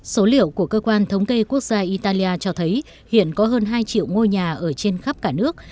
số liệu của cơ quan thống kê quốc gia italia cho thấy hiện có hơn hai triệu ngôi nhà ở trên khắp cả nước